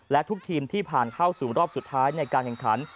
และทุกทีมที่ผ่านเข้าสู่รอบสุดท้ายในการแข่งขัน